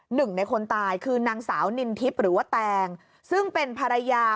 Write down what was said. หนึ่งในคนตายคือนางสาวนินทิพย์หรือว่าแตงซึ่งเป็นภรรยา